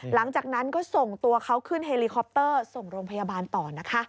หลังจากนั้นก็ส่งตัวเขาขึ้นเฮลิคอปเตอร์ส่งโรงพยาบาลต่อนะคะ